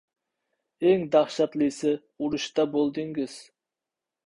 Eng dahshatlisi, urushda bo‘ldingiz!